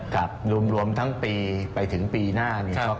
ครับรวมทั้งปีไปถึงปีหน้าเนี่ย